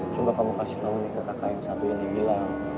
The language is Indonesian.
coba kamu kasih tau nih ke kakak yang satu yang dibilang